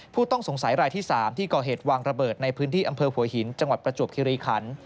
ผู้ต้องสงสัยรายที่๓ที่ก่อเหตุวางระเบิดในพื้นที่อำเภอหัวหินจังหวัดประจวบคิริคัน